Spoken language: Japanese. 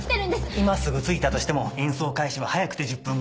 今すぐ着いたとしても演奏開始は早くて１０分後。